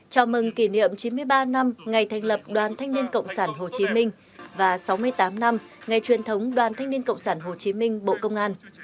chào mừng kỷ niệm chín mươi ba năm ngày thành lập đoàn thanh niên cộng sản hồ chí minh và sáu mươi tám năm ngày truyền thống đoàn thanh niên cộng sản hồ chí minh bộ công an